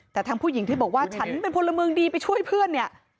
แต่ทางผู้หญิงที่บอกว่าฉันเป็นพลเมืองดีไปช่วยเพื่อนเนี่ย